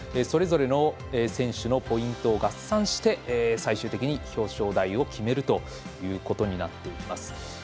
それぞれの選手のポイントを合算して最終的に表彰台を決めるということになっていきます。